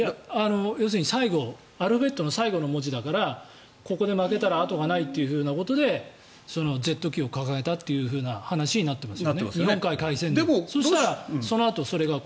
要するにアルファベットの最後だからここで負けたら後がないというふうなことでゼット機を掲げたという話になっています